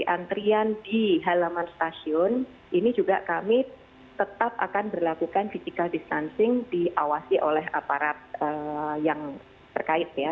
jadi antrian di halaman stasiun ini juga kami tetap akan berlakukan physical distancing diawasi oleh aparat yang terkait ya